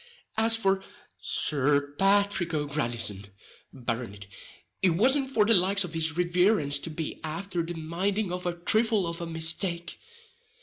As for Sir Pathrick O'Grandison, Barronitt, it wasn't for the likes of his riverence to be afther the minding of a thrifle of a mistake.